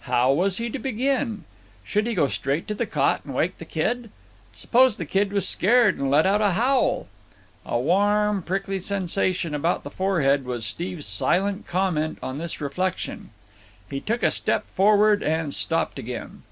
How was he to begin? Should he go straight to the cot and wake the kid? Suppose the kid was scared and let out a howl? A warm, prickly sensation about the forehead was Steve's silent comment on this reflection. He took a step forward and stopped again.